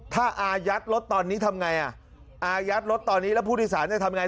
ถ้าอายัดรถตอนนี้ทำไงอ่ะอายัดรถตอนนี้แล้วผู้โดยสารจะทำยังไง